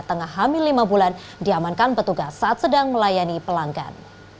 tengah hamil lima bulan diamankan petugas saat sedang melayani pelanggan